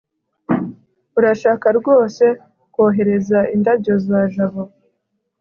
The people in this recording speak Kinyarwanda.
urashaka rwose kohereza indabyo za jabo